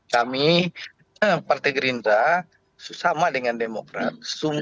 kami partai gerindra sesama dengan demokrat